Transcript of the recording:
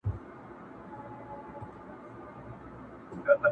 بل ملګری هم په لار کي ورپیدا سو،